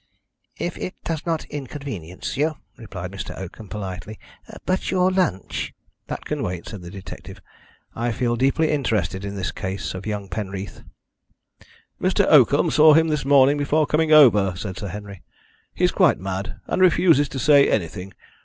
"If it does not inconvenience you," replied Mr. Oakham politely. "But your lunch " "That can wait," said the detective. "I feel deeply interested in this case of young Penreath." "Mr. Oakham saw him this morning before coming over," said Sir Henry. "He is quite mad, and refuses to say anything.